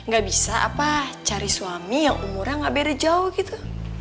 gak bisa apa cari suami yang umurnya gak beda jauh gitu